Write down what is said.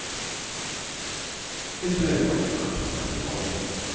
8 It had been a great night for Nutty Boyd.